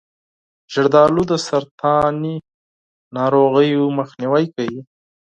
زردآلو د سرطاني ناروغیو مخنیوی کوي.